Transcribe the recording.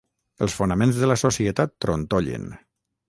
Els fonaments de la societat trontollen.